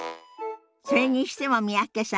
それにしても三宅さん